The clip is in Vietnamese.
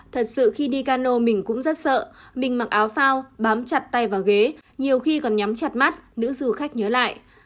thật sự khi đi cano mình cũng rất sợ mình mặc áo phao bám chặt tay vào ghế nhiều khi còn nhắm chặt mắt nữ du khách nhớ lại